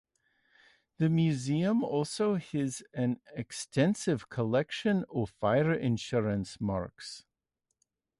The museum also has an extensive collection of fire insurance marks.